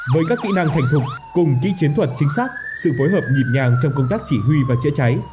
với các kỹ năng thành thục cùng kỹ chiến thuật chính xác sự phối hợp nhịp nhàng trong công tác chỉ huy và chữa cháy